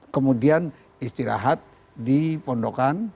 kemudian istirahat di pondokan